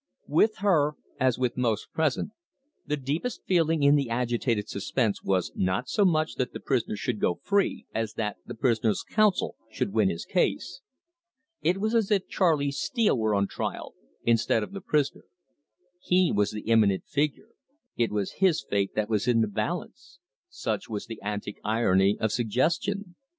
With her as with most present, the deepest feeling in the agitated suspense was not so much that the prisoner should go free, as that the prisoner's counsel should win his case. It was as if Charley Steele were on trial instead of the prisoner. He was the imminent figure; it was his fate that was in the balance such was the antic irony of suggestion.